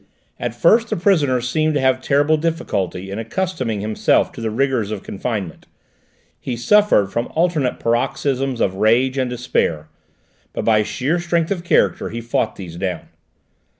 At first the prisoner seemed to have terrible difficulty in accustoming himself to the rigours of confinement; he suffered from alternate paroxysms of rage and despair, but by sheer strength of character he fought these down.